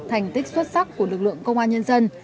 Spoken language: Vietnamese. thành tích xuất sắc của lực lượng công an nhân dân